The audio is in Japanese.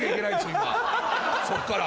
今そっから。